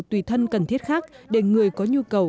tùy thân cần thiết khác để người có nhu cầu